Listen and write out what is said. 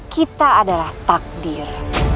kita adalah takdir